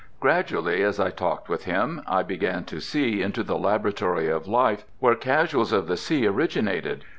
Gradually, as I talked with him, I began to see into the laboratory of life where "Casuals of the Sea" originated.